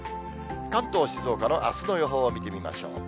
関東、静岡のあすの予報を見てみましょう。